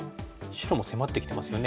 白も迫ってきてますよね。